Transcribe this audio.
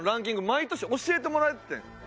毎年教えてもらえててん。